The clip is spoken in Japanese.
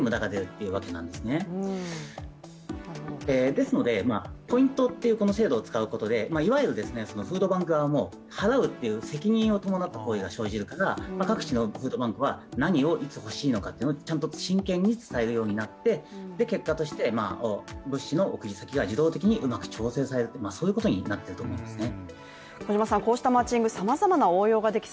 ですのでポイントっていうこの制度を使うことでいわゆるですねフードバンクは払うっていう責任を伴った方が各地のフードバンクは、何をいつ欲しいのかっていうちゃんと真剣に伝えるようになって結果として物資の送り先が自動的にうまく調整されてそういうことになってると思いますね。